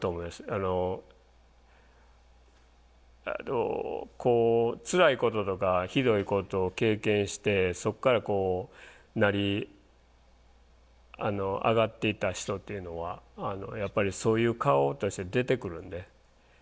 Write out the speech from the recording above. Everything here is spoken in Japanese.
あのこうつらいこととかひどいことを経験してそっからこう成り上がっていった人っていうのはやっぱりそういう顔として出てくるんで。